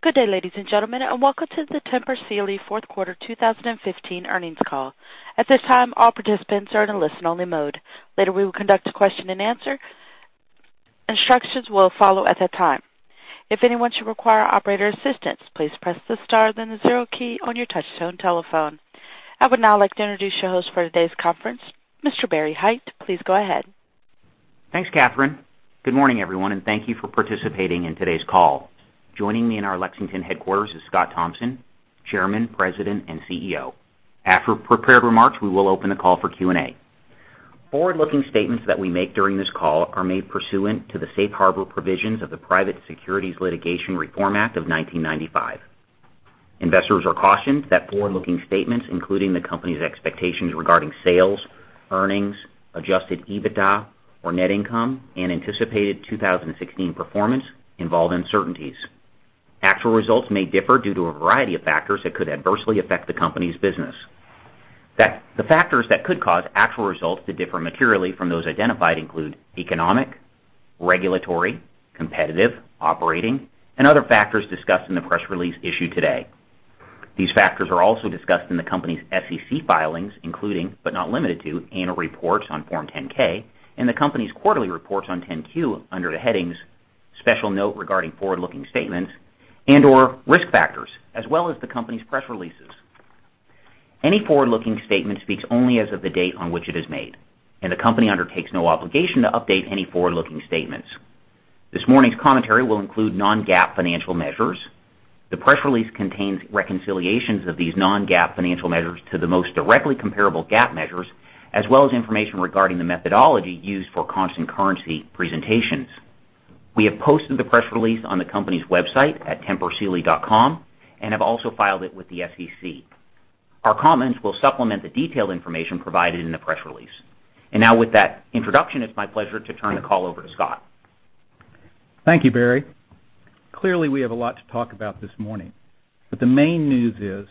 Good day, ladies and gentlemen, and welcome to the Tempur Sealy fourth quarter 2015 earnings call. At this time, all participants are in listen-only mode. Later, we will conduct a question and answer. Instructions will follow at that time. If anyone should require operator assistance, please press the star, then the zero key on your touch-tone telephone. I would now like to introduce your host for today's conference, Mr. Barry Hytinen. Please go ahead. Thanks, Catherine. Good morning, everyone, thank you for participating in today's call. Joining me in our Lexington headquarters is Scott Thompson, Chairman, President, and CEO. After prepared remarks, we will open the call for Q&A. Forward-looking statements that we make during this call are made pursuant to the safe harbor provisions of the Private Securities Litigation Reform Act of 1995. Investors are cautioned that forward-looking statements, including the company's expectations regarding sales, earnings, adjusted EBITDA or net income, anticipated 2016 performance involve uncertainties. Actual results may differ due to a variety of factors that could adversely affect the company's business. The factors that could cause actual results to differ materially from those identified include economic, regulatory, competitive, operating, and other factors discussed in the press release issued today. These factors are also discussed in the company's SEC filings, including, but not limited to, annual reports on Form 10-K and the company's quarterly reports on 10-Q under the headings Special Note Regarding Forward-Looking Statements and/or Risk Factors, as well as the company's press releases. Any forward-looking statement speaks only as of the date on which it is made, the company undertakes no obligation to update any forward-looking statements. This morning's commentary will include non-GAAP financial measures. The press release contains reconciliations of these non-GAAP financial measures to the most directly comparable GAAP measures, as well as information regarding the methodology used for constant currency presentations. We have posted the press release on the company's website at tempursealy.com and have also filed it with the SEC. Our comments will supplement the detailed information provided in the press release. Now, with that introduction, it's my pleasure to turn the call over to Scott. Thank you, Barry. Clearly, we have a lot to talk about this morning. The main news is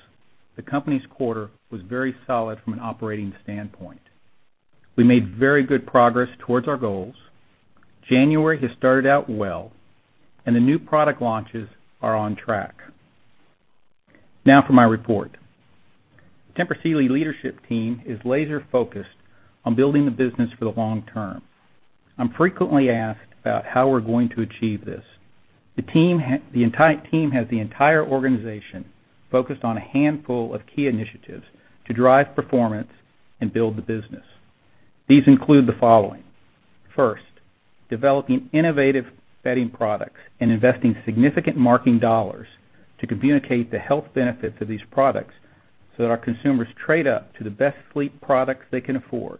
the company's quarter was very solid from an operating standpoint. We made very good progress towards our goals. January has started out well. The new product launches are on track. Now for my report. Tempur Sealy leadership team is laser-focused on building the business for the long term. I'm frequently asked about how we're going to achieve this. The entire team has the entire organization focused on a handful of key initiatives to drive performance and build the business. These include the following. First, developing innovative bedding products and investing significant marketing dollars to communicate the health benefits of these products so that our consumers trade up to the best sleep products they can afford.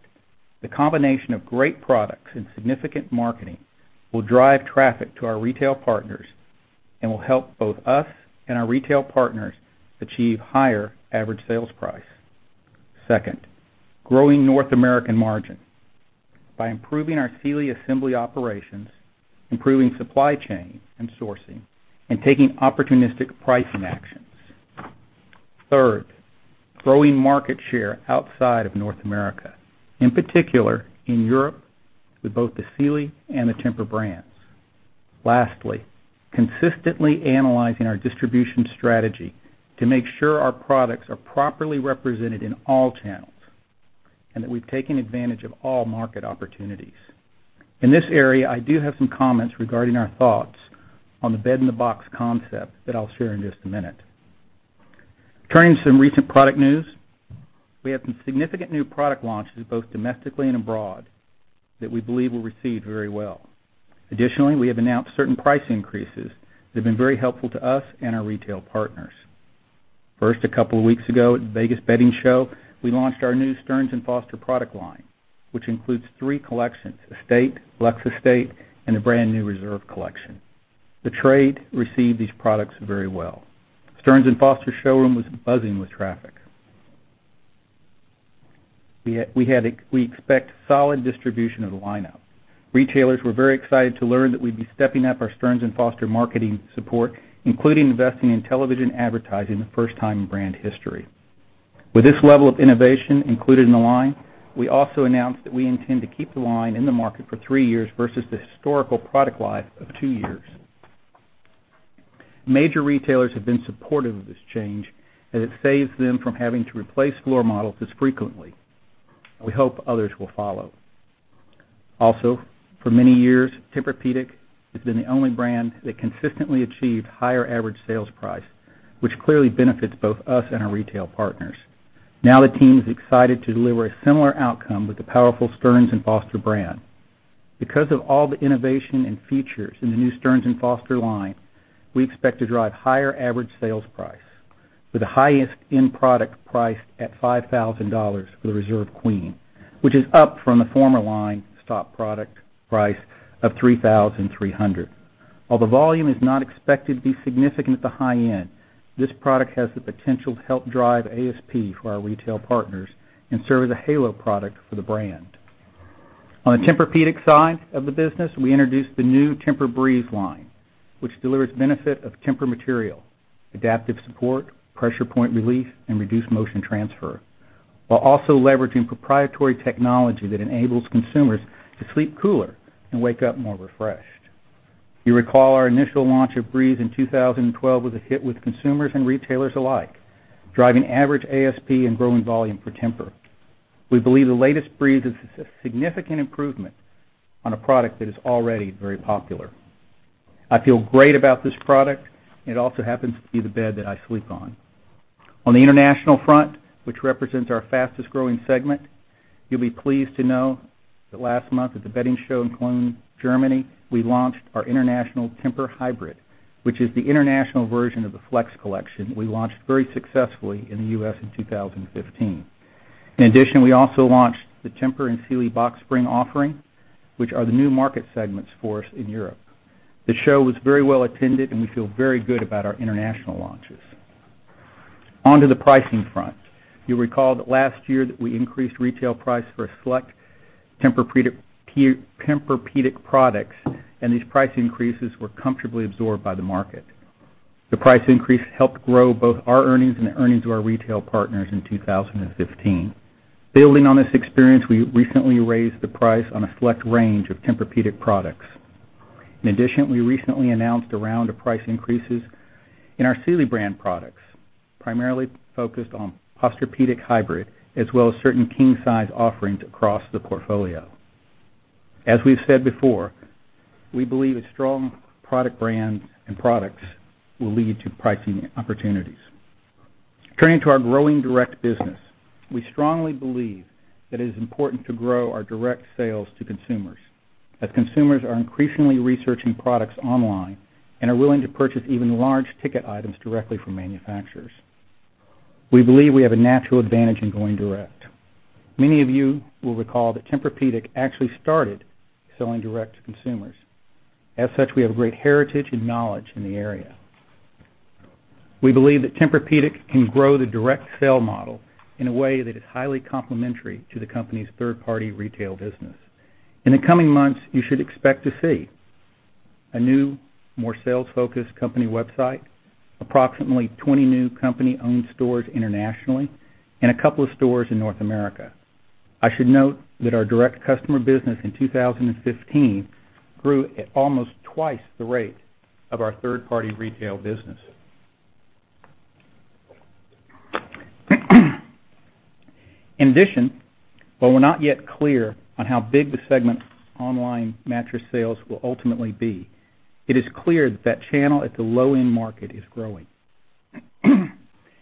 The combination of great products and significant marketing will drive traffic to our retail partners and will help both us and our retail partners achieve higher average sales price. Second, growing North American margin by improving our Sealy assembly operations, improving supply chain and sourcing, and taking opportunistic pricing actions. Third, growing market share outside of North America, in particular, in Europe, with both the Sealy and the Tempur brands. Lastly, consistently analyzing our distribution strategy to make sure our products are properly represented in all channels and that we've taken advantage of all market opportunities. In this area, I do have some comments regarding our thoughts on the bed-in-a-box concept that I'll share in just a minute. Turning to some recent product news. We have some significant new product launches, both domestically and abroad, that we believe will receive very well. Additionally, we have announced certain price increases that have been very helpful to us and our retail partners. First, a couple of weeks ago at the Las Vegas Market, we launched our new Stearns & Foster product line, which includes three collections, Estate, Lux Estate, and a brand-new Reserve collection. The trade received these products very well. Stearns & Foster's showroom was buzzing with traffic. We expect solid distribution of the lineup. Retailers were very excited to learn that we'd be stepping up our Stearns & Foster marketing support, including investing in television advertising the first time in brand history. With this level of innovation included in the line, we also announced that we intend to keep the line in the market for three years versus the historical product life of two years. Major retailers have been supportive of this change as it saves them from having to replace floor models as frequently. We hope others will follow. For many years, Tempur-Pedic has been the only brand that consistently achieved higher average sales price, which clearly benefits both us and our retail partners. The team is excited to deliver a similar outcome with the powerful Stearns & Foster brand. Because of all the innovation and features in the new Stearns & Foster line, we expect to drive higher average sales price with the highest end product priced at $5,000 for the Reserve queen, which is up from the former line's top product price of $3,300. While the volume is not expected to be significant at the high end, this product has the potential to help drive ASP for our retail partners and serve as a halo product for the brand. On the Tempur-Pedic side of the business, we introduced the new TEMPUR-Breeze line, which delivers benefit of Tempur material, adaptive support, pressure point relief, and reduced motion transfer. While also leveraging proprietary technology that enables consumers to sleep cooler and wake up more refreshed. You recall our initial launch of TEMPUR-Breeze in 2012 was a hit with consumers and retailers alike, driving average ASP and growing volume for Tempur. We believe the latest TEMPUR-Breeze is a significant improvement on a product that is already very popular. I feel great about this product. It also happens to be the bed that I sleep on. On the international front, which represents our fastest-growing segment, you'll be pleased to know that last month at the bedding show in Cologne, Germany, we launched our international Tempur-Pedic Hybrid, which is the international version of the Flex collection we launched very successfully in the U.S. in 2015. In addition, we also launched the Tempur and Sealy box spring offering, which are the new market segments for us in Europe. The show was very well attended, and we feel very good about our international launches. On to the pricing front. You'll recall that last year that we increased retail price for select Tempur-Pedic products, and these price increases were comfortably absorbed by the market. The price increase helped grow both our earnings and the earnings of our retail partners in 2015. Building on this experience, we recently raised the price on a select range of Tempur-Pedic products. In addition, we recently announced a round of price increases in our Sealy brand products, primarily focused on Posturepedic Hybrid, as well as certain king-size offerings across the portfolio. As we've said before, we believe strong product brands and products will lead to pricing opportunities. Turning to our growing direct business. We strongly believe that it is important to grow our direct sales to consumers, as consumers are increasingly researching products online and are willing to purchase even large ticket items directly from manufacturers. We believe we have a natural advantage in going direct. Many of you will recall that Tempur-Pedic actually started selling direct to consumers. As such, we have great heritage and knowledge in the area. We believe that Tempur-Pedic can grow the direct sale model in a way that is highly complementary to the company's third-party retail business. In the coming months, you should expect to see a new, more sales-focused company website, approximately 20 new company-owned stores internationally, and a couple of stores in North America. I should note that our direct customer business in 2015 grew at almost twice the rate of our third-party retail business. In addition, while we're not yet clear on how big the segment online mattress sales will ultimately be, it is clear that channel at the low-end market is growing.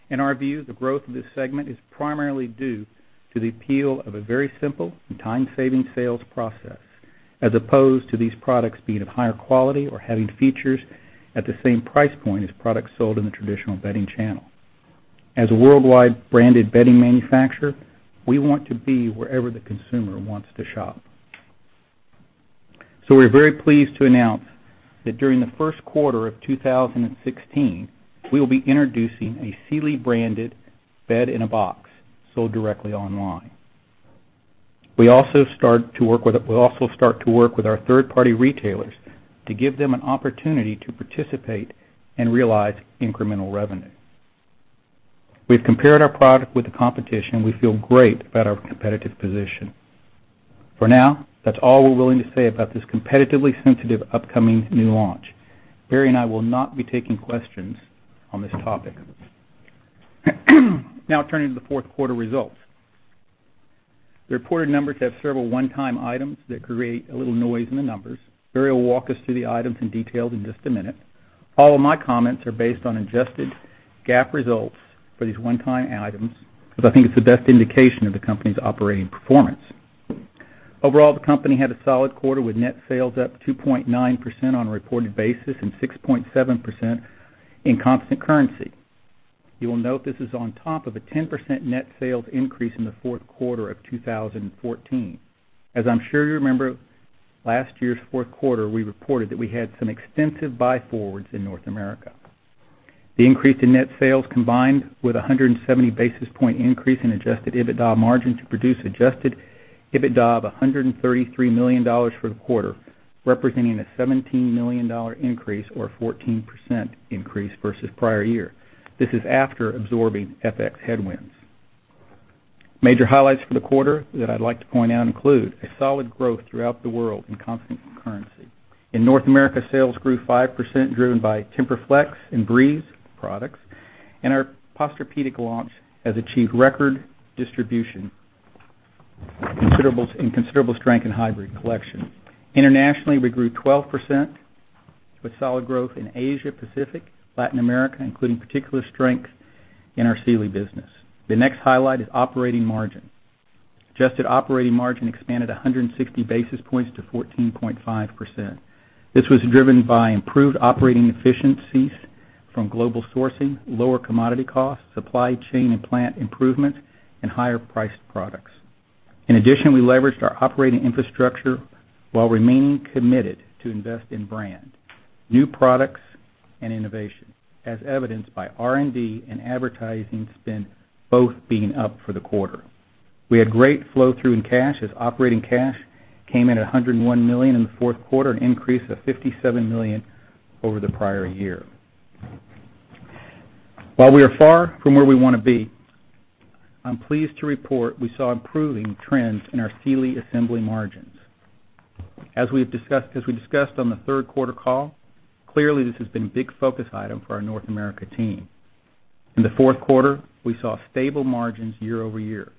In our view, the growth of this segment is primarily due to the appeal of a very simple and time-saving sales process, as opposed to these products being of higher quality or having features at the same price point as products sold in the traditional bedding channel. As a worldwide branded bedding manufacturer, we want to be wherever the consumer wants to shop. We're very pleased to announce that during the first quarter of 2016, we will be introducing a Sealy-branded bed in a box sold directly online. We'll also start to work with our third-party retailers to give them an opportunity to participate and realize incremental revenue. We've compared our product with the competition. We feel great about our competitive position. For now, that's all we're willing to say about this competitively sensitive, upcoming new launch. Barry and I will not be taking questions on this topic. Turning to the fourth quarter results. The reported numbers have several one-time items that create a little noise in the numbers. Barry will walk us through the items in detail in just a minute. All of my comments are based on adjusted GAAP results for these one-time items because I think it's the best indication of the company's operating performance. Overall, the company had a solid quarter with net sales up 2.9% on a reported basis and 6.7% in constant currency. You will note this is on top of a 10% net sales increase in the fourth quarter of 2014. As I'm sure you remember, last year's fourth quarter, we reported that we had some extensive buy forwards in North America. The increase in net sales combined with 170 basis point increase in adjusted EBITDA margin to produce adjusted EBITDA of $133 million for the quarter, representing a $17 million increase or 14% increase versus prior year. This is after absorbing FX headwinds. Major highlights for the quarter that I'd like to point out include a solid growth throughout the world in constant currency. In North America, sales grew 5%, driven by Tempur-Flex and TEMPUR-Breeze products, and our Posturepedic launch has achieved record distribution and considerable strength in hybrid collection. Internationally, we grew 12% with solid growth in Asia, Pacific, Latin America, including particular strength in our Sealy business. The next highlight is operating margin. Adjusted operating margin expanded 160 basis points to 14.5%. This was driven by improved operating efficiencies from global sourcing, lower commodity costs, supply chain and plant improvement, and higher priced products. In addition, we leveraged our operating infrastructure while remaining committed to invest in brand, new products, and innovation, as evidenced by R&D and advertising spend both being up for the quarter. We had great flow-through in cash as operating cash came in at $101 million in the fourth quarter, an increase of $57 million over the prior year. While we are far from where we want to be, I'm pleased to report we saw improving trends in our Sealy assembly margins. As we discussed on the third quarter call, clearly this has been a big focus item for our North America team. In the fourth quarter, we saw stable margins year-over-year,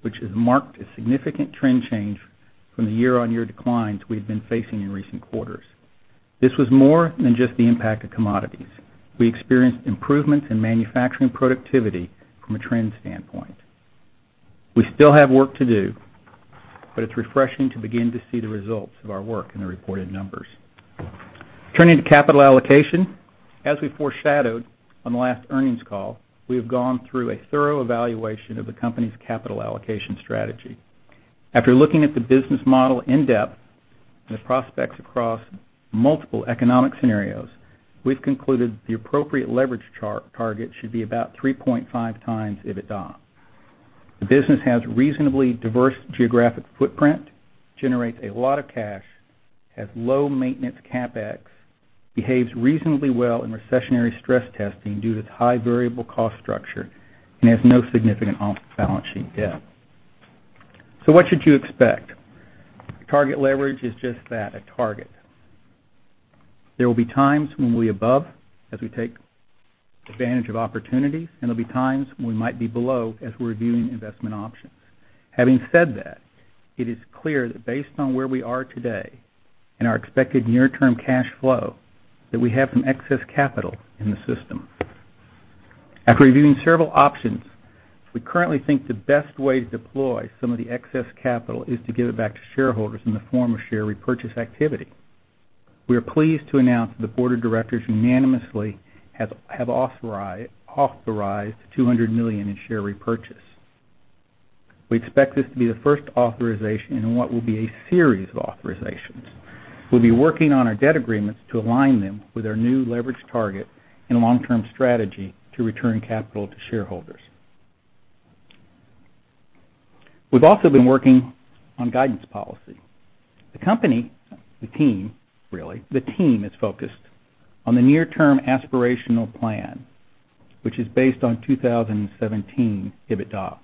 which has marked a significant trend change from the year-on-year declines we had been facing in recent quarters. This was more than just the impact of commodities. We experienced improvements in manufacturing productivity from a trend standpoint. We still have work to do, but it's refreshing to begin to see the results of our work in the reported numbers. As we foreshadowed on the last earnings call, we have gone through a thorough evaluation of the company's capital allocation strategy. After looking at the business model in depth and the prospects across multiple economic scenarios, we've concluded the appropriate leverage target should be about 3.5 times EBITDA. The business has reasonably diverse geographic footprint, generates a lot of cash, has low maintenance CapEx, behaves reasonably well in recessionary stress testing due to its high variable cost structure, and has no significant off-balance sheet debt. What should you expect? Target leverage is just that, a target. There will be times when we're above as we take advantage of opportunities, and there'll be times when we might be below as we're reviewing investment options. Having said that, it is clear that based on where we are today and our expected near-term cash flow, that we have some excess capital in the system. After reviewing several options, we currently think the best way to deploy some of the excess capital is to give it back to shareholders in the form of share repurchase activity. We are pleased to announce that the board of directors unanimously have authorized $200 million in share repurchase. We expect this to be the first authorization in what will be a series of authorizations. We'll be working on our debt agreements to align them with our new leverage target and long-term strategy to return capital to shareholders. We've also been working on guidance policy. The company, the team, really, the team is focused on the near-term aspirational plan, which is based on 2017 EBITDA.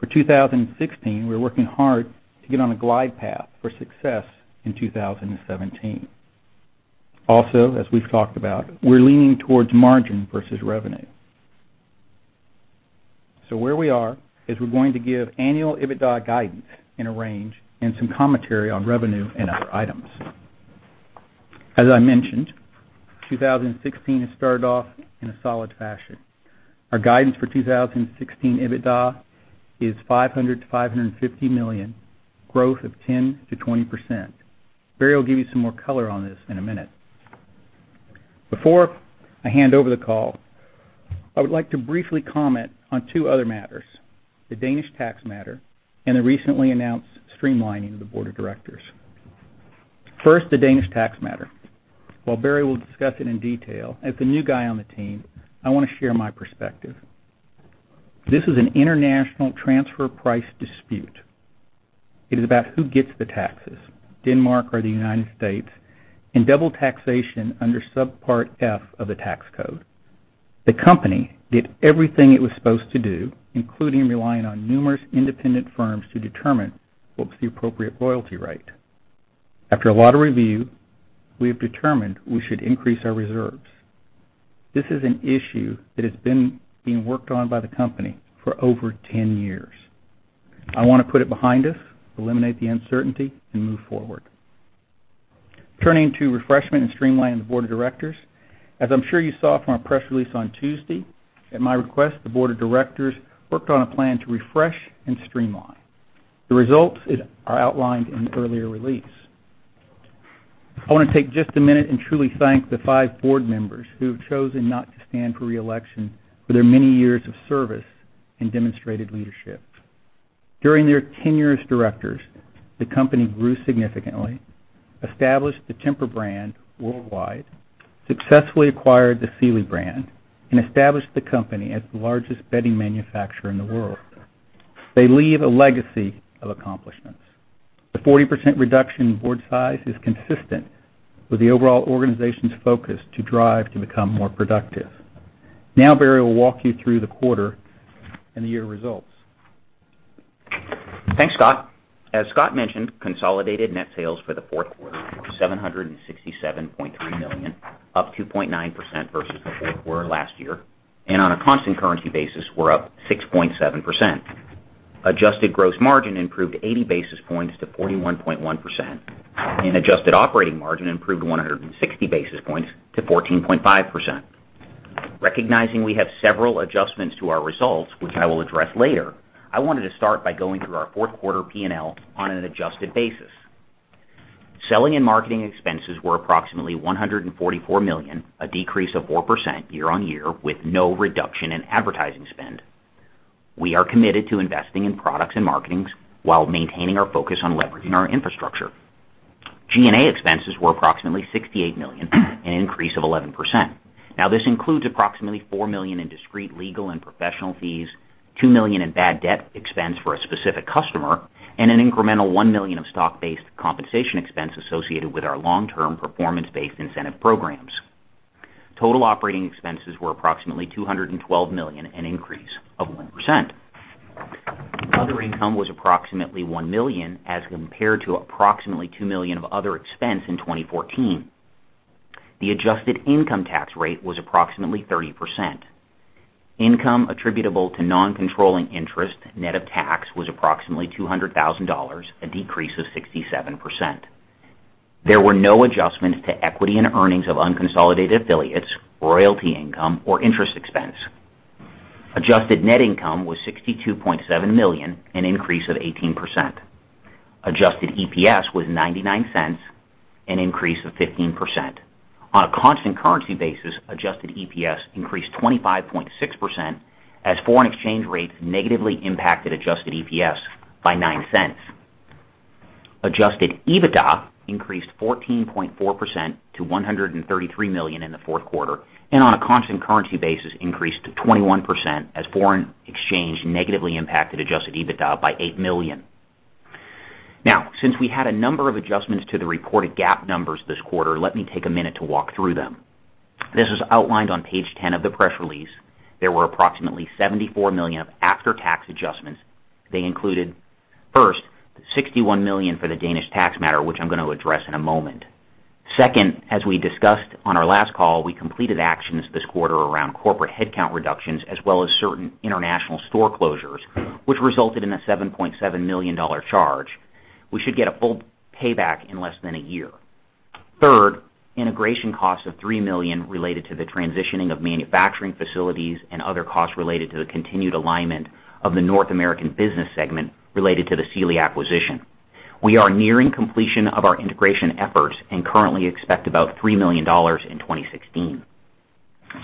For 2016, we're working hard to get on a glide path for success in 2017. Also, as we've talked about, we're leaning towards margin versus revenue. Where we are is we're going to give annual EBITDA guidance in a range and some commentary on revenue and other items. As I mentioned, 2016 has started off in a solid fashion. Our guidance for 2016 EBITDA is $500 million-$550 million, growth of 10%-20%. Barry will give you some more color on this in a minute. Before I hand over the call, I would like to briefly comment on two other matters, the Danish tax matter and the recently announced streamlining of the board of directors. First, the Danish tax matter. While Barry will discuss it in detail, as the new guy on the team, I want to share my perspective. This is an international transfer price dispute. It is about who gets the taxes, Denmark or the United States, and double taxation under Subpart F of the tax code. The company did everything it was supposed to do, including relying on numerous independent firms to determine what was the appropriate royalty rate. After a lot of review, we have determined we should increase our reserves. This is an issue that has been being worked on by the company for over 10 years. I want to put it behind us, eliminate the uncertainty, and move forward. Turning to refreshment and streamlining the board of directors. As I'm sure you saw from our press release on Tuesday, at my request, the board of directors worked on a plan to refresh and streamline. The results are outlined in the earlier release. I want to take just a minute and truly thank the five board members who have chosen not to stand for re-election for their many years of service and demonstrated leadership. During their tenure as directors, the company grew significantly, established the Tempur brand worldwide, successfully acquired the Sealy brand, and established the company as the largest bedding manufacturer in the world. They leave a legacy of accomplishments. The 40% reduction in board size is consistent with the overall organization's focus to drive to become more productive. Barry will walk you through the quarter and the year results. Thanks, Scott. As Scott mentioned, consolidated net sales for the fourth quarter were $767.3 million, up 2.9% versus the fourth quarter last year. On a constant currency basis, we're up 6.7%. Adjusted gross margin improved 80 basis points to 41.1%. Adjusted operating margin improved 160 basis points to 14.5%. Recognizing we have several adjustments to our results, which I will address later, I wanted to start by going through our fourth quarter P&L on an adjusted basis. Selling and marketing expenses were approximately $144 million, a decrease of 4% year-on-year with no reduction in advertising spend. We are committed to investing in products and marketings while maintaining our focus on leveraging our infrastructure. G&A expenses were approximately $68 million, an increase of 11%. This includes approximately $4 million in discrete legal and professional fees, $2 million in bad debt expense for a specific customer, and an incremental $1 million of stock-based compensation expense associated with our long-term performance-based incentive programs. Total operating expenses were approximately $212 million, an increase of 1%. Other income was approximately $1 million as compared to approximately $2 million of other expense in 2014. The adjusted income tax rate was approximately 30%. Income attributable to non-controlling interest, net of tax, was approximately $200,000, a decrease of 67%. There were no adjustments to equity and earnings of unconsolidated affiliates, royalty income, or interest expense. Adjusted net income was $62.7 million, an increase of 18%. Adjusted EPS was $0.99, an increase of 15%. On a constant currency basis, adjusted EPS increased 25.6% as foreign exchange rates negatively impacted adjusted EPS by $0.09. Adjusted EBITDA increased 14.4% to $133 million in the fourth quarter. On a constant currency basis, increased to 21% as foreign exchange negatively impacted adjusted EBITDA by $8 million. Since we had a number of adjustments to the reported GAAP numbers this quarter, let me take a minute to walk through them. This is outlined on page 10 of the press release. There were approximately $74 million of after-tax adjustments. They included, first, $61 million for the Danish tax matter, which I'm going to address in a moment. Second, as we discussed on our last call, we completed actions this quarter around corporate headcount reductions as well as certain international store closures, which resulted in a $7.7 million charge. We should get a full payback in less than a year. Third, integration costs of $3 million related to the transitioning of manufacturing facilities and other costs related to the continued alignment of the North American business segment related to the Sealy acquisition. We are nearing completion of our integration efforts and currently expect about $3 million in 2016.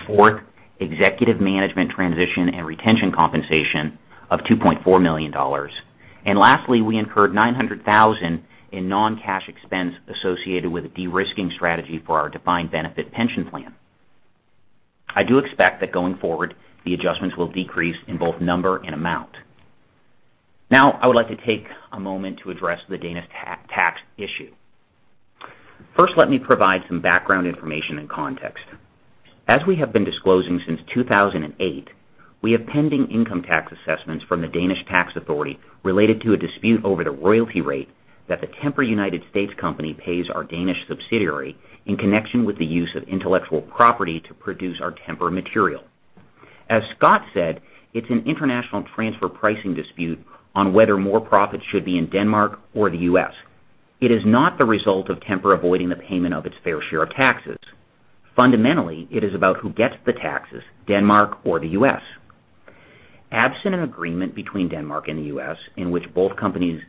Fourth, executive management transition and retention compensation of $2.4 million. Lastly, we incurred $900,000 in non-cash expense associated with a de-risking strategy for our defined benefit pension plan. I do expect that going forward, the adjustments will decrease in both number and amount. I would like to take a moment to address the Danish tax issue. First, let me provide some background information and context. As we have been disclosing since 2008, we have pending income tax assessments from the Danish Tax Agency related to a dispute over the royalty rate that the Tempur U.S. company pays our Danish subsidiary in connection with the use of intellectual property to produce our Tempur material. As Scott said, it's an international transfer pricing dispute on whether more profits should be in Denmark or the U.S. It is not the result of Tempur avoiding the payment of its fair share of taxes. Fundamentally, it is about who gets the taxes, Denmark or the U.S. Absent an agreement between Denmark and the U.S., in which both countries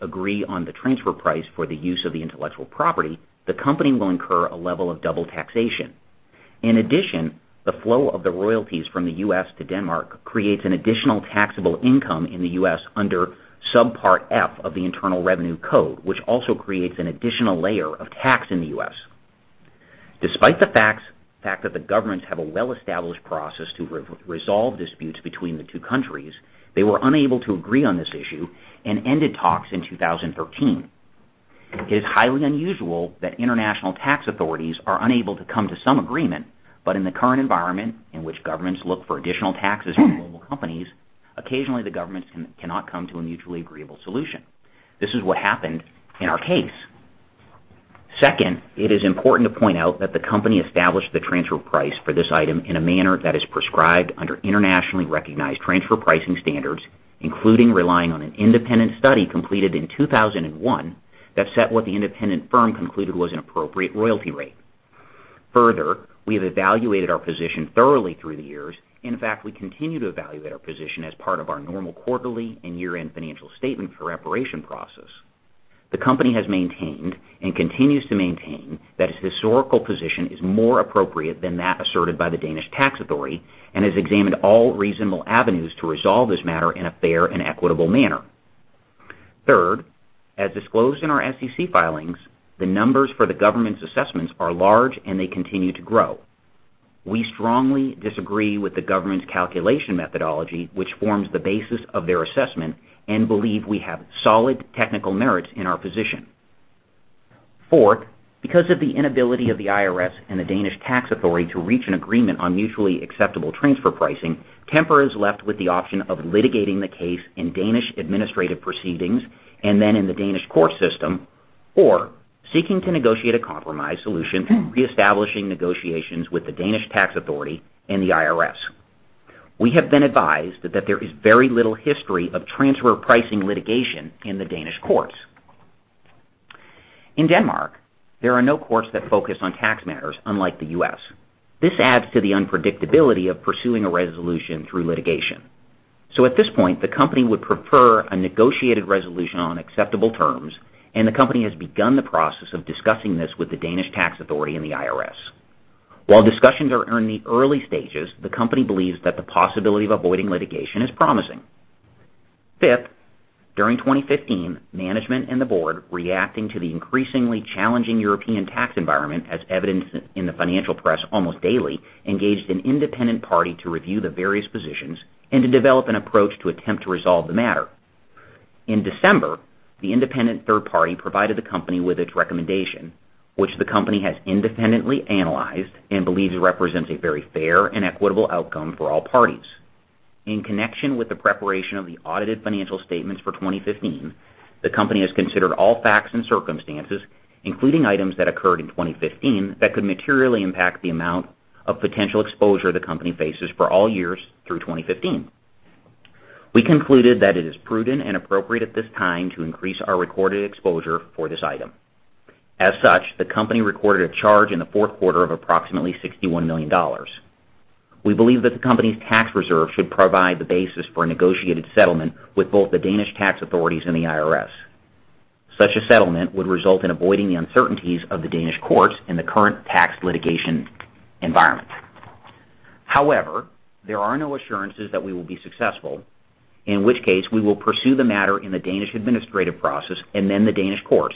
agree on the transfer price for the use of the intellectual property, the company will incur a level of double taxation. In addition, the flow of the royalties from the U.S. to Denmark creates an additional taxable income in the U.S. under Subpart F of the Internal Revenue Code, which also creates an additional layer of tax in the U.S. Despite the fact that the governments have a well-established process to resolve disputes between the two countries, they were unable to agree on this issue and ended talks in 2013. It is highly unusual that international tax authorities are unable to come to some agreement, but in the current environment, in which governments look for additional taxes from global companies, occasionally the governments cannot come to a mutually agreeable solution. This is what happened in our case. Second, it is important to point out that the company established the transfer price for this item in a manner that is prescribed under internationally recognized transfer pricing standards, including relying on an independent study completed in 2001 that set what the independent firm concluded was an appropriate royalty rate. Further, we have evaluated our position thoroughly through the years. In fact, we continue to evaluate our position as part of our normal quarterly and year-end financial statement preparation process. The company has maintained and continues to maintain that its historical position is more appropriate than that asserted by the Danish Tax Agency and has examined all reasonable avenues to resolve this matter in a fair and equitable manner. Third, as disclosed in our SEC filings, the numbers for the government's assessments are large, and they continue to grow. We strongly disagree with the government's calculation methodology, which forms the basis of their assessment and believe we have solid technical merits in our position. Fourth, because of the inability of the IRS and the Danish Tax Agency to reach an agreement on mutually acceptable transfer pricing, Tempur is left with the option of litigating the case in Danish administrative proceedings and then in the Danish court system, or seeking to negotiate a compromise solution through reestablishing negotiations with the Danish Tax Agency and the IRS. We have been advised that there is very little history of transfer pricing litigation in the Danish courts. In Denmark, there are no courts that focus on tax matters, unlike the U.S. This adds to the unpredictability of pursuing a resolution through litigation. At this point, the company would prefer a negotiated resolution on acceptable terms, the company has begun the process of discussing this with the Danish Tax Agency and the IRS. While discussions are in the early stages, the company believes that the possibility of avoiding litigation is promising. Fifth, during 2015, management and the board, reacting to the increasingly challenging European tax environment, as evidenced in the financial press almost daily, engaged an independent party to review the various positions and to develop an approach to attempt to resolve the matter. In December, the independent third party provided the company with its recommendation, which the company has independently analyzed and believes represents a very fair and equitable outcome for all parties. In connection with the preparation of the audited financial statements for 2015, the company has considered all facts and circumstances, including items that occurred in 2015, that could materially impact the amount of potential exposure the company faces for all years through 2015. We concluded that it is prudent and appropriate at this time to increase our recorded exposure for this item. As such, the company recorded a charge in the fourth quarter of approximately $61 million. We believe that the company's tax reserve should provide the basis for a negotiated settlement with both the Danish tax authorities and the IRS. Such a settlement would result in avoiding the uncertainties of the Danish courts in the current tax litigation environment. There are no assurances that we will be successful, in which case we will pursue the matter in the Danish administrative process and then the Danish courts,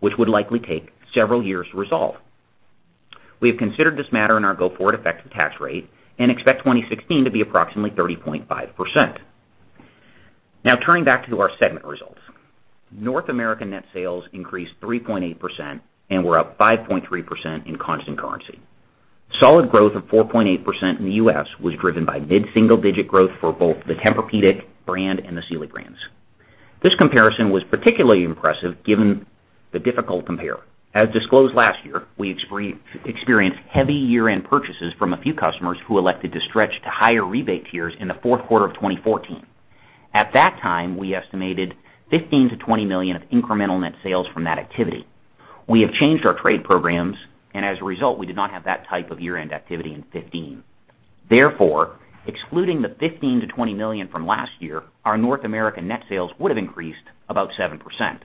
which would likely take several years to resolve. We have considered this matter in our go-forward effective tax rate and expect 2016 to be approximately 30.5%. Turning back to our segment results. North America net sales increased 3.8% and were up 5.3% in constant currency. Solid growth of 4.8% in the U.S. was driven by mid-single-digit growth for both the Tempur-Pedic brand and the Sealy brands. This comparison was particularly impressive given the difficult compare. As disclosed last year, we experienced heavy year-end purchases from a few customers who elected to stretch to higher rebate tiers in the fourth quarter of 2014. At that time, we estimated $15 million to $20 million of incremental net sales from that activity. We have changed our trade programs, and as a result, we did not have that type of year-end activity in 2015. Therefore, excluding the $15 million-$20 million from last year, our North America net sales would have increased about 7%.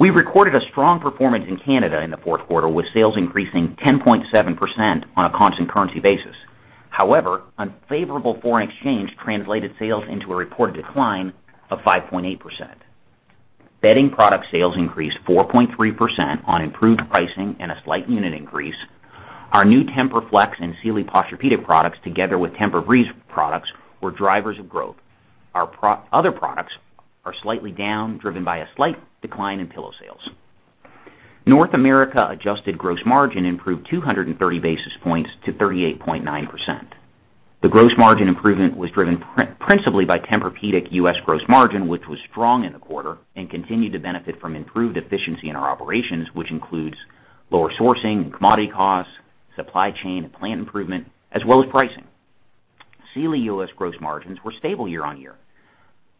We recorded a strong performance in Canada in the fourth quarter, with sales increasing 10.7% on a constant currency basis. However, unfavorable foreign exchange translated sales into a reported decline of 5.8%. Bedding product sales increased 4.3% on improved pricing and a slight unit increase. Our new Tempur-Flex and Sealy Posturepedic products, together with TEMPUR-Breeze products, were drivers of growth. Our other products are slightly down, driven by a slight decline in pillow sales. North America adjusted gross margin improved 230 basis points to 38.9%. The gross margin improvement was driven principally by Tempur-Pedic US gross margin, which was strong in the quarter and continued to benefit from improved efficiency in our operations, which includes lower sourcing and commodity costs, supply chain and plant improvement, as well as pricing. Sealy US gross margins were stable year-on-year.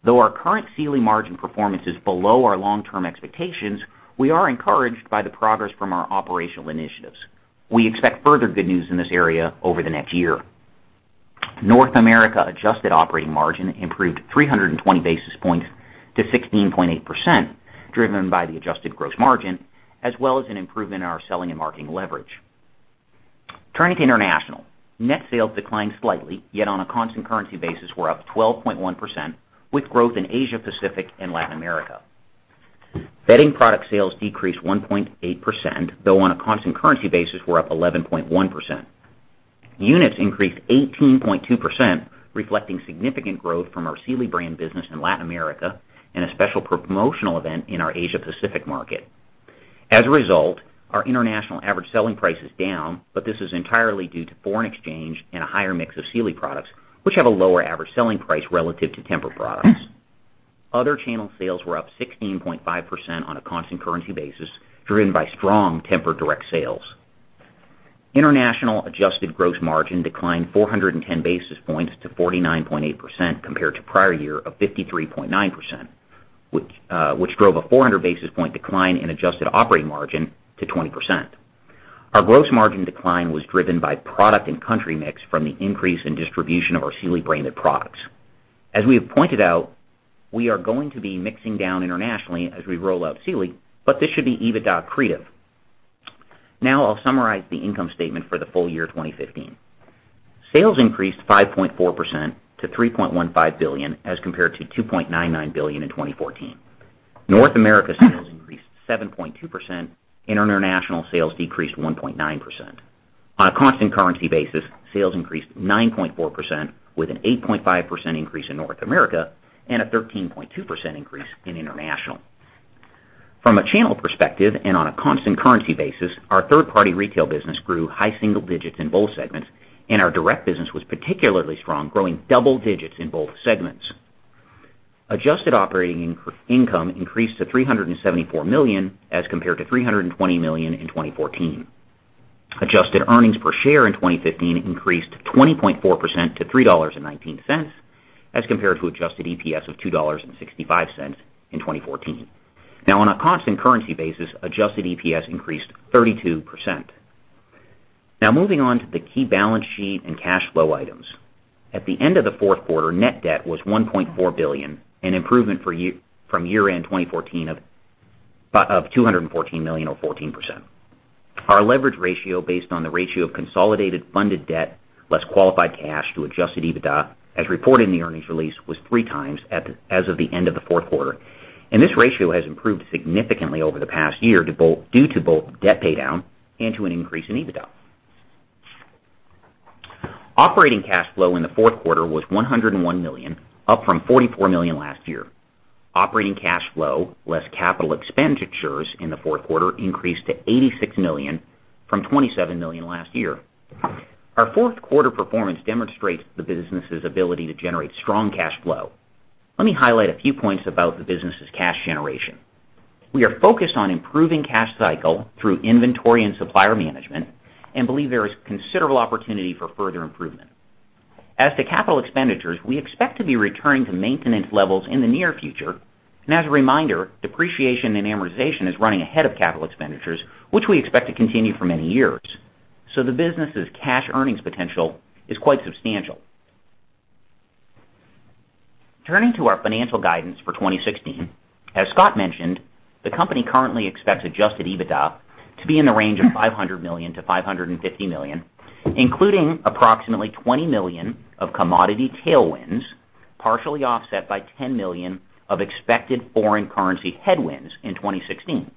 Though our current Sealy margin performance is below our long-term expectations, we are encouraged by the progress from our operational initiatives. We expect further good news in this area over the next year. North America adjusted operating margin improved 320 basis points to 16.8%, driven by the adjusted gross margin as well as an improvement in our selling and marketing leverage. Turning to international. Net sales declined slightly, yet on a constant currency basis were up 12.1%, with growth in Asia Pacific and Latin America. Bedding product sales decreased 1.8%, though on a constant currency basis were up 11.1%. Units increased 18.2%, reflecting significant growth from our Sealy brand business in Latin America and a special promotional event in our Asia Pacific market. As a result, our international average selling price is down, but this is entirely due to foreign exchange and a higher mix of Sealy products, which have a lower average selling price relative to Tempur products. Other channel sales were up 16.5% on a constant currency basis, driven by strong Tempur direct sales. International adjusted gross margin declined 410 basis points to 49.8% compared to prior year of 53.9%, which drove a 400 basis point decline in adjusted operating margin to 20%. Our gross margin decline was driven by product and country mix from the increase in distribution of our Sealy branded products. As we have pointed out, we are going to be mixing down internationally as we roll out Sealy, but this should be EBITDA accretive. Now I'll summarize the income statement for the full year 2015. Sales increased 5.4% to $3.15 billion as compared to $2.99 billion in 2014. North America sales increased 7.2%, and international sales decreased 1.9%. On a constant currency basis, sales increased 9.4% with an 8.5% increase in North America and a 13.2% increase in international. From a channel perspective and on a constant currency basis, our third-party retail business grew high single digits in both segments, and our direct business was particularly strong, growing double digits in both segments. Adjusted operating income increased to $374 million as compared to $320 million in 2014. Adjusted earnings per share in 2015 increased 20.4% to $3.19, as compared to adjusted EPS of $2.65 in 2014. On a constant currency basis, adjusted EPS increased 32%. Moving on to the key balance sheet and cash flow items. At the end of the fourth quarter, net debt was $1.4 billion, an improvement from year-end 2014 of $214 million or 14%. Our leverage ratio based on the ratio of consolidated funded debt, less qualified cash to adjusted EBITDA as reported in the earnings release, was three times as of the end of the fourth quarter. This ratio has improved significantly over the past year due to both debt paydown and to an increase in EBITDA. Operating cash flow in the fourth quarter was $101 million, up from $44 million last year. Operating cash flow less capital expenditures in the fourth quarter increased to $86 million from $27 million last year. Our fourth quarter performance demonstrates the business's ability to generate strong cash flow. Let me highlight a few points about the business's cash generation. We are focused on improving cash cycle through inventory and supplier management and believe there is considerable opportunity for further improvement. As to capital expenditures, we expect to be returning to maintenance levels in the near future. As a reminder, depreciation and amortization is running ahead of capital expenditures, which we expect to continue for many years. The business' cash earnings potential is quite substantial. Turning to our financial guidance for 2016. As Scott mentioned, the company currently expects adjusted EBITDA to be in the range of $500 million to $550 million, including approximately $20 million of commodity tailwinds, partially offset by $10 million of expected foreign currency headwinds in 2016.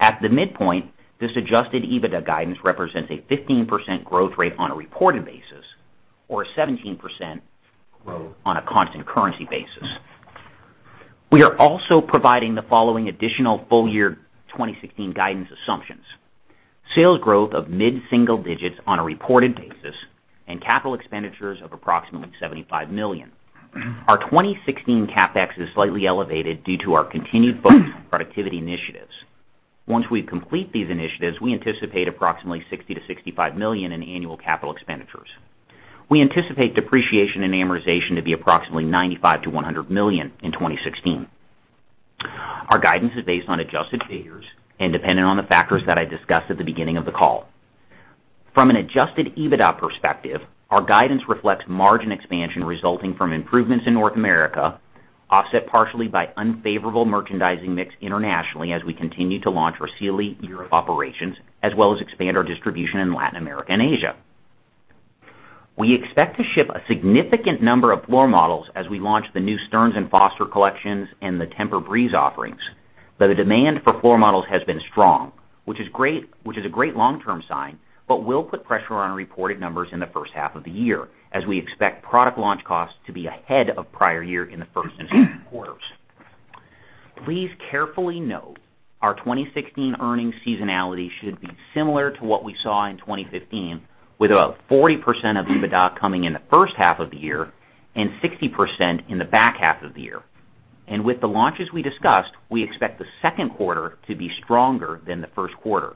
At the midpoint, this adjusted EBITDA guidance represents a 15% growth rate on a reported basis or a 17% growth on a constant currency basis. We are also providing the following additional full year 2016 guidance assumptions. Sales growth of mid-single digits on a reported basis and capital expenditures of approximately $75 million. Our 2016 CapEx is slightly elevated due to our continued productivity initiatives. Once we complete these initiatives, we anticipate approximately $60 million to $65 million in annual capital expenditures. We anticipate depreciation and amortization to be approximately $95 million to $100 million in 2016. Our guidance is based on adjusted figures and dependent on the factors that I discussed at the beginning of the call. From an adjusted EBITDA perspective, our guidance reflects margin expansion resulting from improvements in North America, offset partially by unfavorable merchandising mix internationally as we continue to launch our Sealy Europe operations, as well as expand our distribution in Latin America and Asia. We expect to ship a significant number of floor models as we launch the new Stearns & Foster collections and the TEMPUR-Breeze offerings. The demand for floor models has been strong, which is a great long-term sign, but will put pressure on our reported numbers in the first half of the year, as we expect product launch costs to be ahead of prior year in the first two quarters. Please carefully note our 2016 earnings seasonality should be similar to what we saw in 2015, with about 40% of EBITDA coming in the first half of the year and 60% in the back half of the year. With the launches we discussed, we expect the second quarter to be stronger than the first quarter.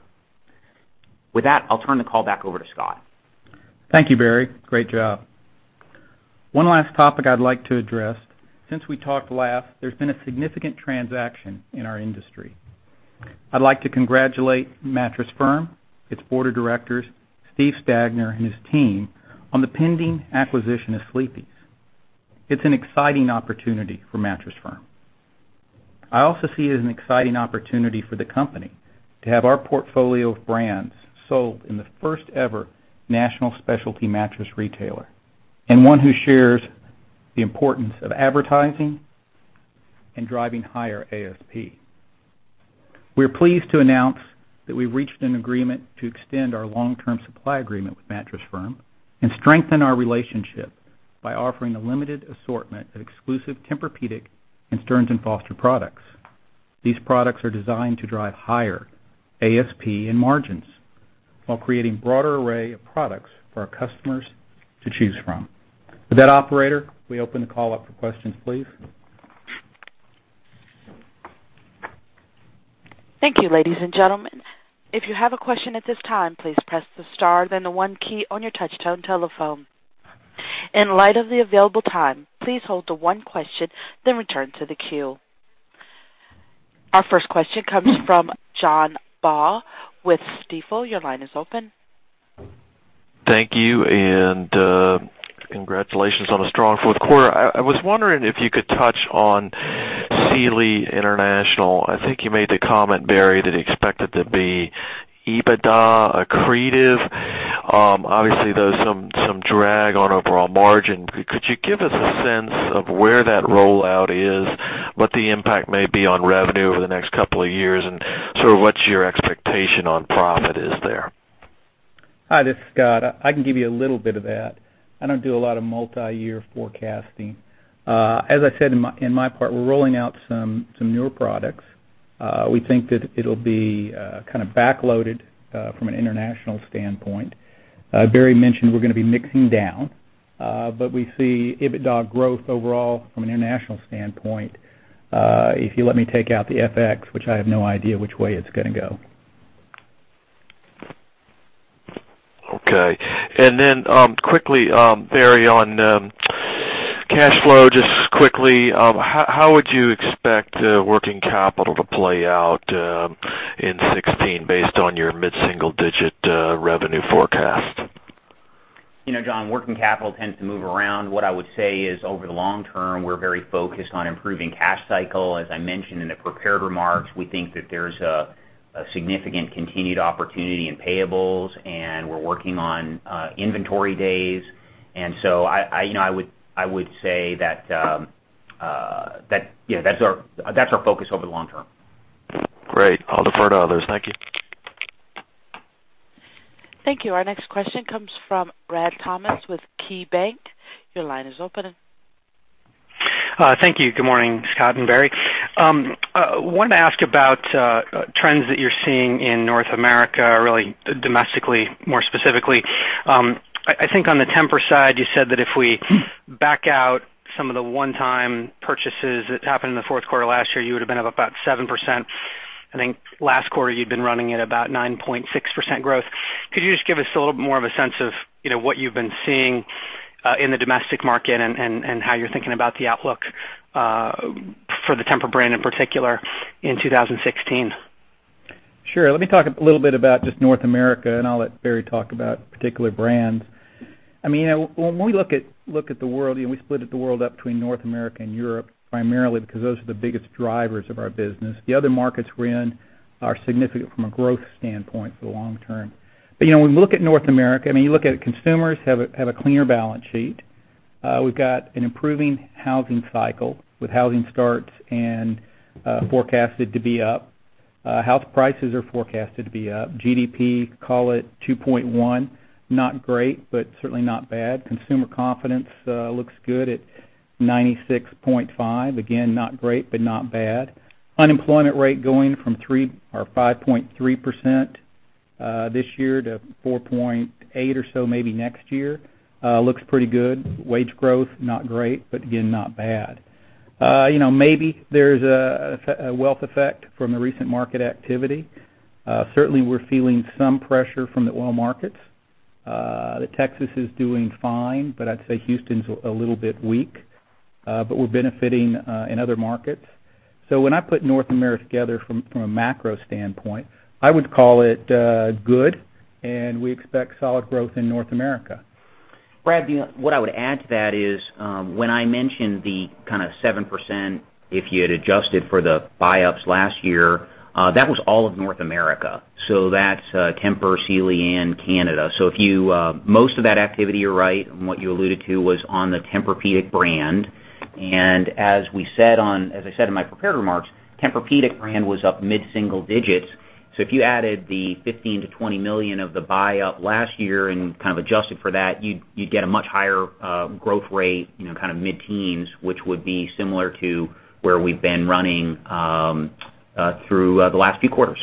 With that, I'll turn the call back over to Scott. Thank you, Barry. Great job. One last topic I'd like to address. Since we talked last, there's been a significant transaction in our industry. I'd like to congratulate Mattress Firm, its board of directors, Steve Stagner, and his team on the pending acquisition of Sleepy's. It's an exciting opportunity for Mattress Firm. I also see it as an exciting opportunity for the company to have our portfolio of brands sold in the first-ever national specialty mattress retailer, and one who shares the importance of advertising and driving higher ASP. We are pleased to announce that we've reached an agreement to extend our long-term supply agreement with Mattress Firm and strengthen our relationship by offering a limited assortment of exclusive Tempur-Pedic and Stearns & Foster products. These products are designed to drive higher ASP and margins while creating broader array of products for our customers to choose from. With that, operator, can we open the call up for questions, please? Thank you, ladies and gentlemen. If you have a question at this time, please press the star, then the one key on your touch-tone telephone. In light of the available time, please hold to one question, then return to the queue. Our first question comes from John Baugh with Stifel. Your line is open. Thank you. Congratulations on a strong fourth quarter. I was wondering if you could touch on Sealy International. I think you made the comment, Barry, that you expect it to be EBITDA accretive. Obviously, there was some drag on overall margin. Could you give us a sense of where that rollout is, what the impact may be on revenue over the next couple of years, and sort of what your expectation on profit is there? Hi, this is Scott. I can give you a little bit of that. I don't do a lot of multi-year forecasting. As I said in my part, we're rolling out some newer products. We think that it'll be kind of backloaded from an international standpoint. Barry mentioned we're going to be mixing down, but we see EBITDA growth overall from an international standpoint, if you let me take out the FX, which I have no idea which way it's going to go. Okay. Quickly, Barry, on cash flow, just quickly, how would you expect working capital to play out in 2016 based on your mid-single-digit revenue forecast? John, working capital tends to move around. What I would say is, over the long term, we're very focused on improving cash cycle. As I mentioned in the prepared remarks, we think that there's a significant continued opportunity in payables, and we're working on inventory days. I would say that's our focus over the long term. Great. I'll defer to others. Thank you. Thank you. Our next question comes from Brad Thomas with KeyBank. Your line is open. Thank you. Good morning, Scott and Barry. Wanted to ask about trends that you're seeing in North America, or really domestically, more specifically. I think on the Tempur side, you said that if we back out some of the one-time purchases that happened in the fourth quarter last year, you would've been up about 7%. I think last quarter you'd been running at about 9.6% growth. Could you just give us a little bit more of a sense of what you've been seeing in the domestic market and how you're thinking about the outlook for the Tempur brand in particular in 2016? Sure. Let me talk a little bit about just North America, and I'll let Barry talk about particular brands. When we look at the world, we split the world up between North America and Europe primarily because those are the biggest drivers of our business. The other markets we're in are significant from a growth standpoint for the long term. When we look at North America, you look at it, consumers have a cleaner balance sheet. We've got an improving housing cycle with housing starts and forecasted to be up. House prices are forecasted to be up. GDP, call it 2.1, not great, but certainly not bad. Consumer confidence looks good at 96.5. Again, not great, but not bad. Unemployment rate going from 5.3% this year to 4.8% or so maybe next year. Looks pretty good. Wage growth, not great, but again, not bad. Maybe there's a wealth effect from the recent market activity. Certainly, we're feeling some pressure from the oil markets, that Texas is doing fine, but I'd say Houston's a little bit weak. We're benefiting in other markets. When I put North America together from a macro standpoint, I would call it good, and we expect solid growth in North America. Brad, what I would add to that is, when I mentioned the kind of 7%, if you had adjusted for the buyups last year, that was all of North America. That's Tempur, Sealy, and Canada. Most of that activity you're right, and what you alluded to was on the Tempur-Pedic brand. As I said in my prepared remarks, Tempur-Pedic brand was up mid-single digits. If you added the $15 to $20 million of the buyout last year and kind of adjusted for that, you'd get a much higher growth rate, kind of mid-teens, which would be similar to where we've been running through the last few quarters.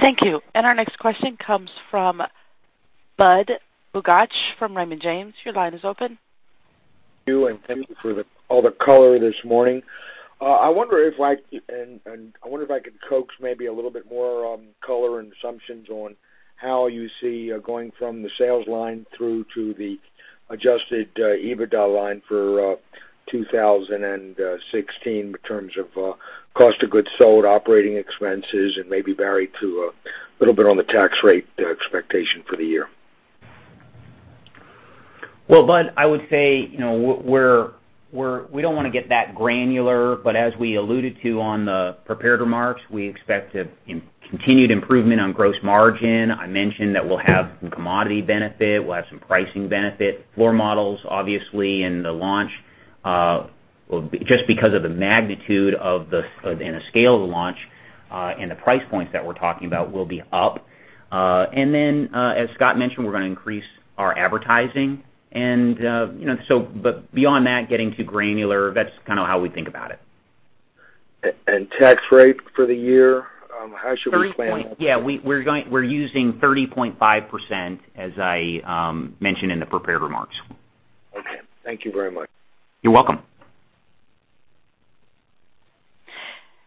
Thank you. Our next question comes from Budd Bugatch from Raymond James. Your line is open. Thank you, and thank you for all the color this morning. I wonder if I could coax maybe a little bit more color and assumptions on how you see going from the sales line through to the adjusted EBITDA line for 2016 in terms of cost of goods sold, operating expenses, and maybe, Barry, too, a little on the tax rate expectation for the year. Budd, I would say we don't want to get that granular, but as we alluded to on the prepared remarks, we expect a continued improvement on gross margin. I mentioned that we'll have some commodity benefit, we'll have some pricing benefit. Floor models, obviously, and the launch, just because of the magnitude and the scale of the launch, and the price points that we're talking about will be up. Then, as Scott mentioned, we're going to increase our advertising. Beyond that, getting too granular, that's kind of how we think about it. Tax rate for the year, how should we plan that? Yeah, we're using 30.5% as I mentioned in the prepared remarks. Okay. Thank you very much. You're welcome.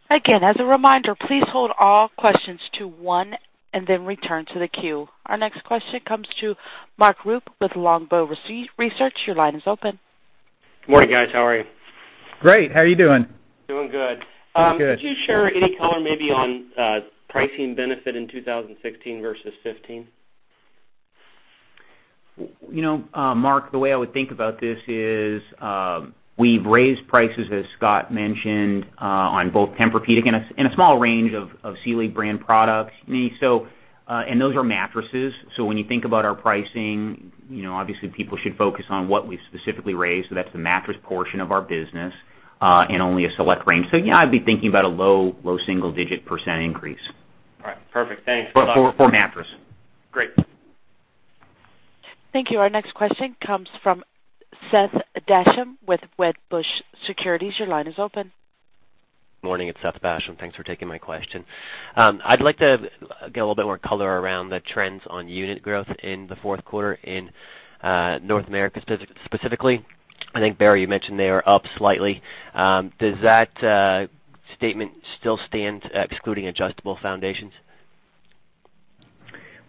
Again, as a reminder, please hold all questions to one and then return to the queue. Our next question comes to Mark Rupe with Longbow Research. Your line is open. Good morning, guys. How are you? Great. How are you doing? Doing good. Good. Could you share any color maybe on pricing benefit in 2016 versus 2015? Mark, the way I would think about this is we've raised prices, as Scott mentioned, on both Tempur-Pedic and a small range of Sealy brand products. Those are mattresses, so when you think about our pricing, obviously people should focus on what we specifically raised, that's the mattress portion of our business, and only a select range. Yeah, I'd be thinking about a low single digit % increase. All right. Perfect. Thanks. For mattress. Great. Thank you. Our next question comes from Seth Basham with Wedbush Securities. Your line is open. Morning. It's Seth Basham. Thanks for taking my question. I'd like to get a little bit more color around the trends on unit growth in the fourth quarter in North America specifically. I think, Barry, you mentioned they are up slightly. Does that statement still stand excluding adjustable foundations?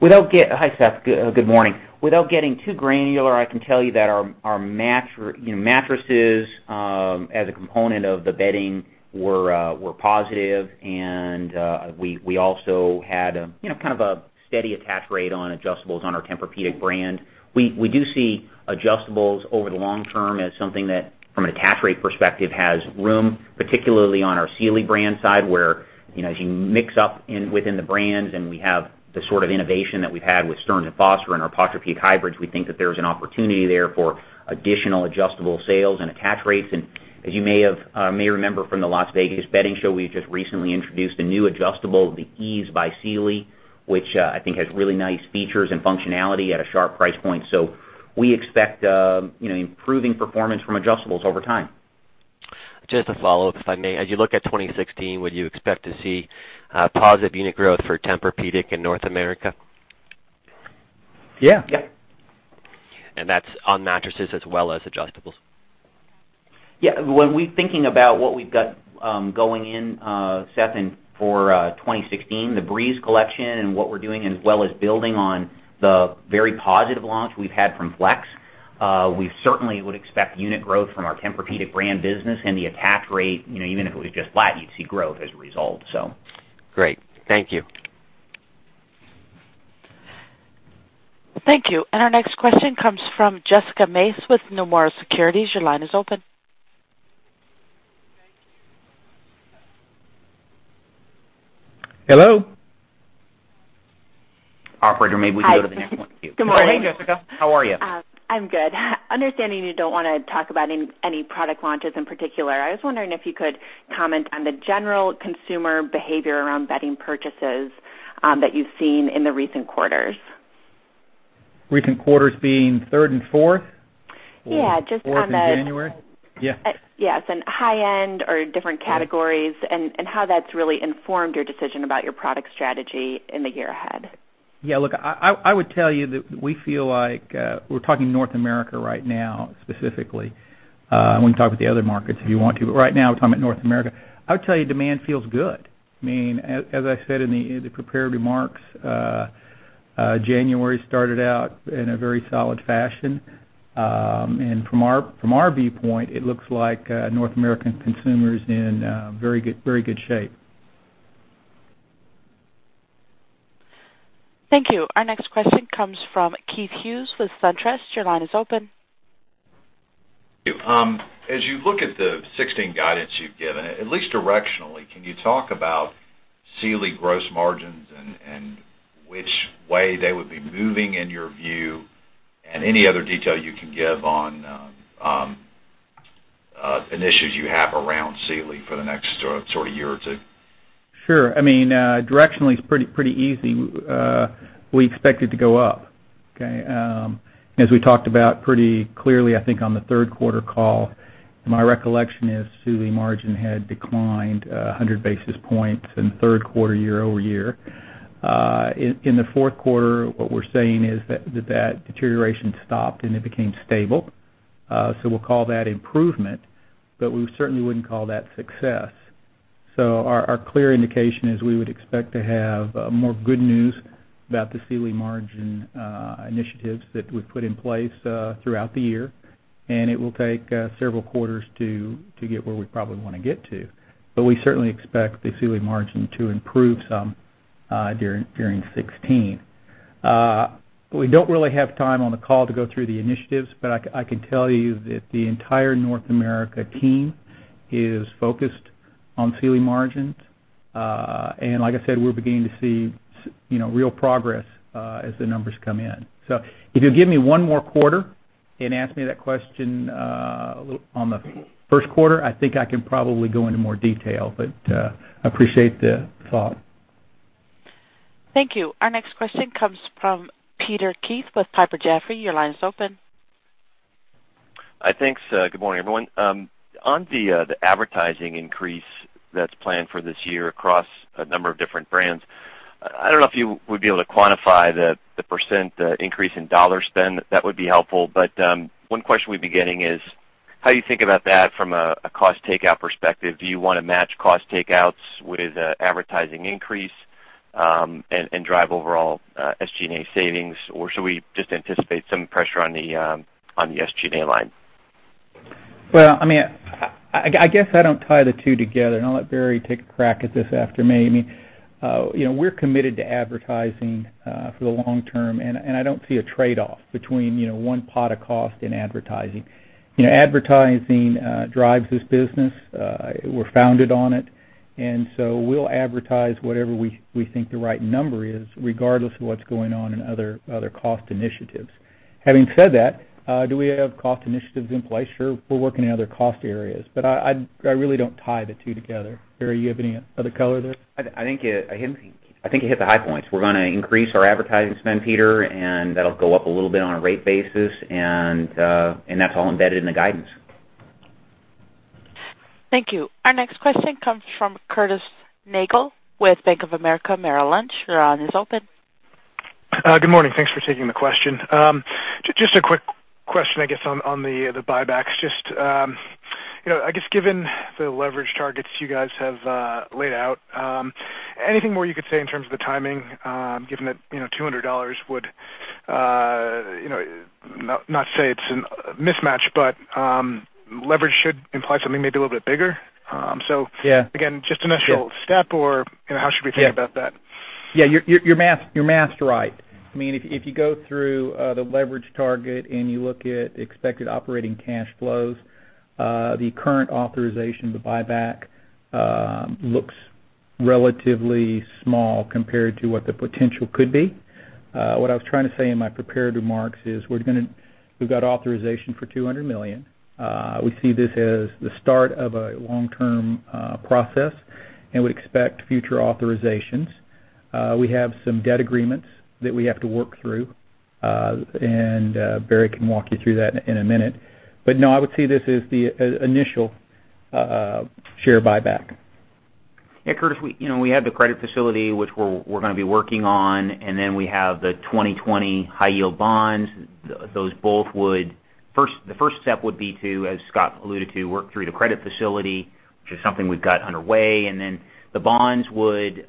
Hi, Seth. Good morning. Without getting too granular, I can tell you that our mattresses as a component of the bedding were positive and we also had kind of a steady attach rate on adjustables on our Tempur-Pedic brand. We do see adjustables over the long term as something that from an attach rate perspective has room, particularly on our Sealy brand side, where as you mix up within the brands and we have the sort of innovation that we've had with Stearns & Foster and our Posturepedic Hybrid, we think that there's an opportunity there for additional adjustable sales and attach rates. As you may remember from the Las Vegas Market, we've just recently introduced a new adjustable, the Ease by Sealy, which I think has really nice features and functionality at a sharp price point. We expect improving performance from adjustables over time. Just a follow-up, if I may. As you look at 2016, would you expect to see positive unit growth for Tempur-Pedic in North America? Yeah. Yeah. That's on mattresses as well as adjustables. Yeah. When we're thinking about what we've got going in, Seth, for 2016, the TEMPUR-Breeze collection and what we're doing, as well as building on the very positive launch we've had from Flex, we certainly would expect unit growth from our Tempur-Pedic brand business and the attach rate, even if it was just flat, you'd see growth as a result. Great. Thank you. Thank you. Our next question comes from Jessica Mace with Nomura Securities. Your line is open. Hello? Operator, maybe we can go to the next one. Hi. Good morning. Oh, hey, Jessica. How are you? I'm good. Understanding you don't want to talk about any product launches in particular, I was wondering if you could comment on the general consumer behavior around bedding purchases that you've seen in the recent quarters. Recent quarters being third and fourth? Yeah. Fourth and January? Yeah. Yes, high end or different categories and how that's really informed your decision about your product strategy in the year ahead. Yeah, look, I would tell you that we feel like we're talking North America right now, specifically. I want to talk about the other markets if you want to, but right now I'm talking about North America. I would tell you demand feels good. I mean, as I said in the prepared remarks, January started out in a very solid fashion. From our viewpoint, it looks like North American consumer's in very good shape. Thank you. Our next question comes from Keith Hughes with SunTrust. Your line is open. As you look at the 2016 guidance you've given, at least directionally, can you talk about Sealy gross margins and which way they would be moving in your view, and any other detail you can give on initiatives you have around Sealy for the next sort of year or two? Sure. Directionally, it's pretty easy. We expect it to go up. Okay. As we talked about pretty clearly, I think on the third quarter call, my recollection is Sealy margin had declined 100 basis points in the third quarter year-over-year. In the fourth quarter, what we're saying is that that deterioration stopped, and it became stable. We'll call that improvement, but we certainly wouldn't call that success. Our clear indication is we would expect to have more good news about the Sealy margin initiatives that we've put in place throughout the year, and it will take several quarters to get where we probably want to get to. We certainly expect the Sealy margin to improve some during 2016. We don't really have time on the call to go through the initiatives, but I can tell you that the entire North America team is focused on Sealy margins. Like I said, we're beginning to see real progress as the numbers come in. If you'll give me one more quarter and ask me that question on the first quarter, I think I can probably go into more detail, but appreciate the thought. Thank you. Our next question comes from Peter Keith with Piper Jaffray. Your line is open. Thanks. Good morning, everyone. On the advertising increase that's planned for this year across a number of different brands, I don't know if you would be able to quantify the percent increase in dollar spend. That would be helpful. One question we've been getting is how you think about that from a cost takeout perspective. Do you want to match cost takeouts with advertising increase and drive overall SG&A savings, or should we just anticipate some pressure on the SG&A line? Well, I guess I don't tie the two together, I'll let Barry take a crack at this after me. We're committed to advertising for the long term, I don't see a trade-off between one pot of cost in advertising. Advertising drives this business. We're founded on it, we'll advertise whatever we think the right number is, regardless of what's going on in other cost initiatives. Having said that, do we have cost initiatives in place? Sure. We're working in other cost areas. I really don't tie the two together. Barry, you have any other color there? I think you hit the high points. We're going to increase our advertising spend, Peter, that'll go up a little bit on a rate basis, that's all embedded in the guidance. Thank you. Our next question comes from Curtis Nagle with Bank of America Merrill Lynch. Your line is open. Good morning. Thanks for taking the question. Just a quick question, I guess, on the buybacks. I guess, given the leverage targets you guys have laid out, anything more you could say in terms of the timing, given that $200 would, not say it's a mismatch, but leverage should imply something maybe a little bit bigger. Yeah. Again, just initial step or how should we think about that? Yeah. Your math's right. If you go through the leverage target and you look at expected operating cash flows, the current authorization of the buyback looks relatively small compared to what the potential could be. What I was trying to say in my prepared remarks is we've got authorization for $200 million. We see this as the start of a long-term process and would expect future authorizations. We have some debt agreements that we have to work through. Barry can walk you through that in a minute, no, I would see this as the initial share buyback. Yeah, Curtis, we have the credit facility, which we're going to be working on, then we have the 2020 high-yield bonds. The first step would be to, as Scott alluded to, work through the credit facility, which is something we've got underway, then the bonds would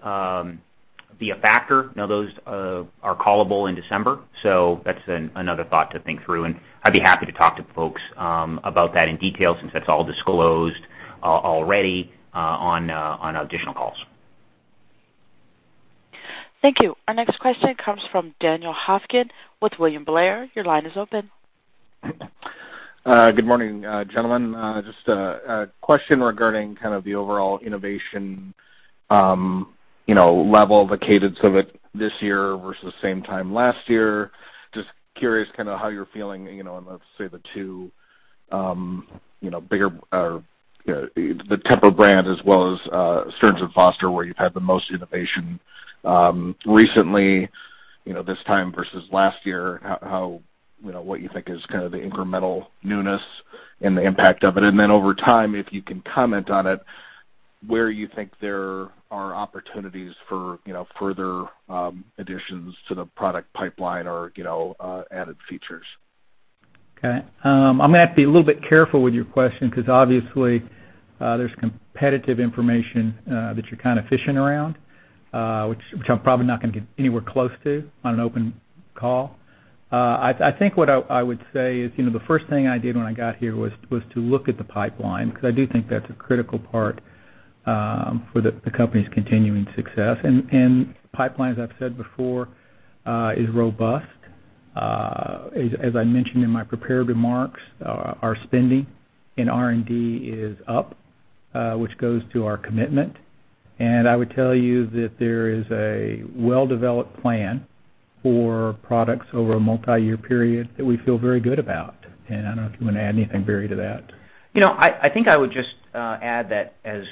be a factor. Those are callable in December, that's another thought to think through, I'd be happy to talk to folks about that in detail since that's all disclosed already on additional calls. Thank you. Our next question comes from Daniel Hofkin with William Blair. Your line is open. Good morning, gentlemen. A question regarding kind of the overall innovation level, the cadence of it this year versus same time last year. Curious kind of how you're feeling, and let's say the two bigger or the Tempur brand as well as Stearns & Foster, where you've had the most innovation recently this time versus last year. What you think is kind of the incremental newness and the impact of it. Then over time, if you can comment on it, where you think there are opportunities for further additions to the product pipeline or added features. Okay. I'm going to have to be a little bit careful with your question because obviously, there's competitive information that you're kind of fishing around, which I'm probably not going to get anywhere close to on an open call. I think what I would say is the first thing I did when I got here was to look at the pipeline because I do think that's a critical part for the company's continuing success. Pipeline, as I've said before, is robust. As I mentioned in my prepared remarks, our spending in R&D is up, which goes to our commitment. I would tell you that there is a well-developed plan for products over a multi-year period that we feel very good about. I don't know if you want to add anything, Barry, to that. I think I would just add that as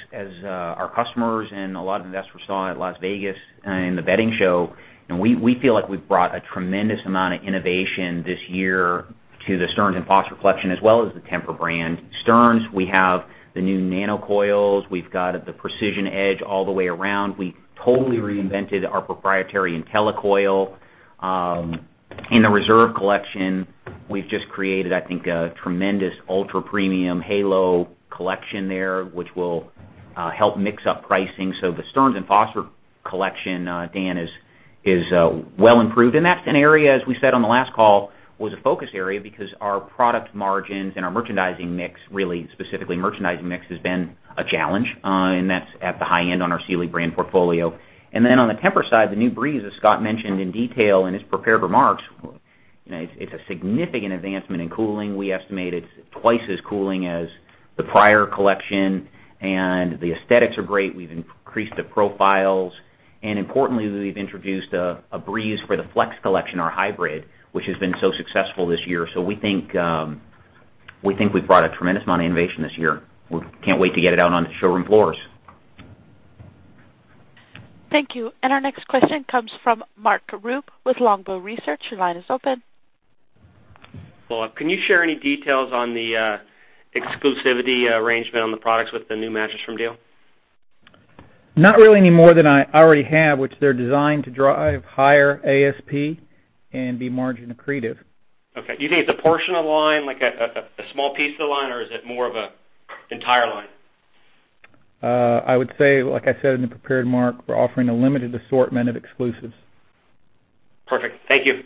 our customers and a lot of investors saw at Las Vegas in the bedding show, we feel like we've brought a tremendous amount of innovation this year to the Stearns & Foster collection as well as the Tempur brand. Stearns, we have the new Nano coils. We've got the PrecisionEdge all the way around. We totally reinvented our proprietary IntelliCoil. In the Reserve collection, we've just created, I think, a tremendous ultra-premium Halo collection there, which will help mix up pricing. The Stearns & Foster collection, Dan, is well improved, and that's an area, as we said on the last call, was a focus area because our product margins and our merchandising mix, really specifically merchandising mix, has been a challenge, and that's at the high end on our Sealy brand portfolio. On the Tempur side, the new Breeze, as Scott mentioned in detail in his prepared remarks, it's a significant advancement in cooling. We estimate it's twice as cooling as the prior collection. The aesthetics are great. Importantly, we've introduced a Breeze for the Flex collection, our hybrid, which has been so successful this year. We think we've brought a tremendous amount of innovation this year. We can't wait to get it out onto the showroom floors. Thank you. Our next question comes from Mark Rupe with Longbow Research. Your line is open. Well, can you share any details on the exclusivity arrangement on the products with the new Mattress Firm deal? Not really any more than I already have, which they're designed to drive higher ASP and be margin accretive. Okay. Do you think it's a portion of the line, like a small piece of the line, or is it more of an entire line? I would say, like I said in the prepared remarks, we're offering a limited assortment of exclusives. Perfect. Thank you.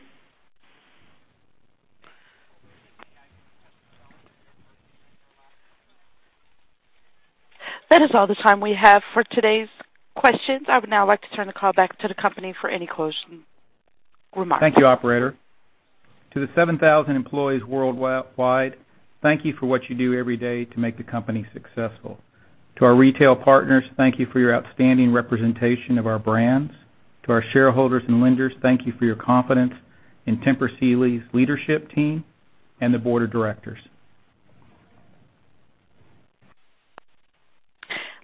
That is all the time we have for today's questions. I would now like to turn the call back to the company for any closing remarks. Thank you, operator. To the 7,000 employees worldwide, thank you for what you do every day to make the company successful. To our retail partners, thank you for your outstanding representation of our brands. To our shareholders and lenders, thank you for your confidence in Tempur Sealy's leadership team and the board of directors.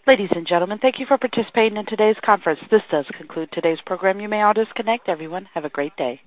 Ladies and gentlemen, thank you for participating in today's conference. This does conclude today's program. You may all disconnect. Everyone, have a great day.